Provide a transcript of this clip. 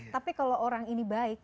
tapi kalau orang ini baik